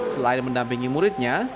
selain mendampingi muridnya